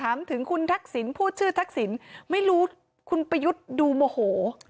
ไม่รู้คุณประยุทธ์ดุมโมโล